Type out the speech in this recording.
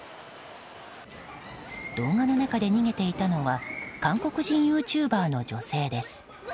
動画の中で逃げていたのは韓国人ユーチューバーの女性です。